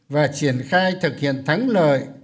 và triển khai thực hiện thắng lợi